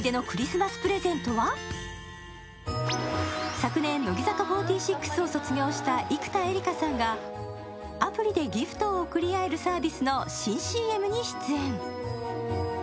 昨年、乃木坂４６を卒業した生田絵梨花さんが、アプリでギフトを贈りあえるサービスの新ＣＭに出演。